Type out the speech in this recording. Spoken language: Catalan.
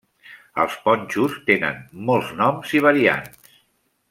Els ponxos tenen molts noms i variants.